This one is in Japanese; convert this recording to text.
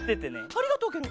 ありがとうケロ。